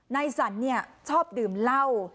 นายสันชอบดื่มเหล้า